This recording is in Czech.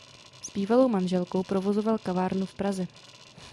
S bývalou manželkou provozoval kavárnu v Praze.